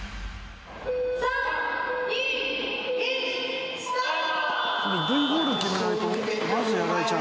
３２１。スタート。